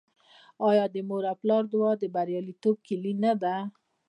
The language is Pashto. آیا د مور او پلار دعا د بریالیتوب کیلي نه ده؟